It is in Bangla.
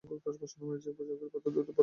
চোখের পাতা দ্রুত পড়তে থাকত।